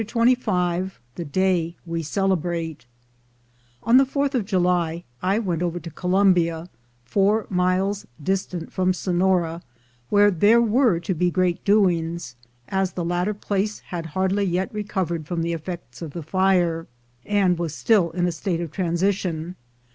CHAPTER XXV THE DAY WE CELEBRATE ON the 4th of July I went over to Columbia, four miles distant from Sonora, where there were to be great doings, as the latter place had hardly yet recovered from the effects of the fire, and was still in a state of transition.